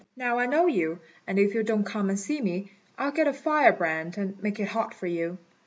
Now I know you, and if you don't come and see me, I'll get a firebrand and make it hot for you."